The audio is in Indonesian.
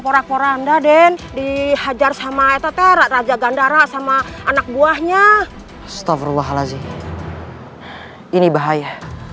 porak porak anda den dihajar sama raja gandara sama anak buahnya astagfirullahaladzim ini bahaya